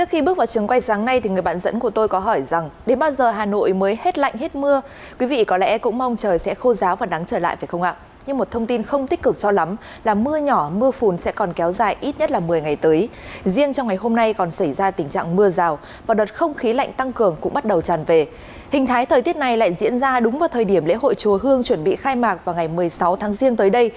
hãy đăng ký kênh để ủng hộ kênh của chúng mình nhé